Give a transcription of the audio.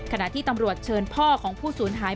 ขณะที่ตำรวจเชิญพ่อของผู้สูญหาย